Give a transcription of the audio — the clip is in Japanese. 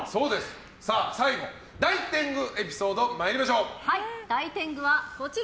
最後、大天狗エピソード参りましょう。